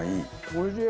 おいしい！